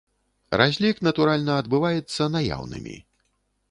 Разлік, натуральна, адбываецца наяўнымі.